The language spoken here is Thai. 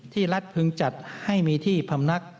รัฐพึงจัดให้มีที่พำนัก